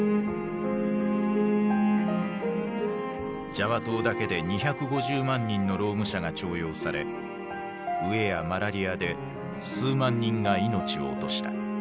ジャワ島だけで２５０万人の労務者が徴用され飢えやマラリアで数万人が命を落とした。